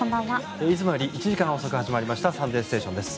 いつもより１時間遅く始まりました「サンデーステーション」です。